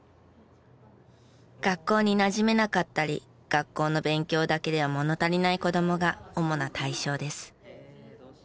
学校になじめなかったり学校の勉強だけでは物足りない子供が主な対象です。